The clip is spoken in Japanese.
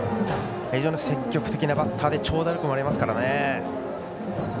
非常に積極的なバッターで長打力もありますから。